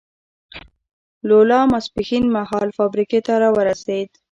لولا ماسپښین مهال فابریکې ته را ورسېد.